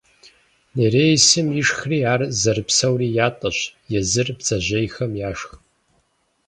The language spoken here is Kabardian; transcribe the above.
Нереисым ишхри ар зэрыпсэури ятӀэщ, езыр бдзэжьейхэм яшх.